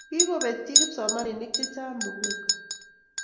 kikobetyi kipsomaninik chechang muguka